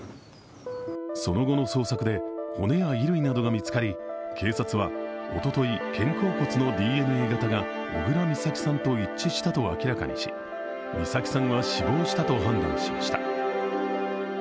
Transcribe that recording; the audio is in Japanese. その後の捜索で、骨や衣類などが見つかり、警察はおととい、肩甲骨のＤＮＡ型が小倉美咲さんと一致したと明らかにし、美咲さんは死亡したと判断しました。